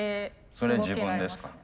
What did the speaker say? それ自分ですか？